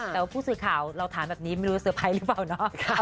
แต่ว่าผู้สื่อข่าวเราถามแบบนี้ไม่รู้เซอร์ไพรส์หรือเปล่าเนาะ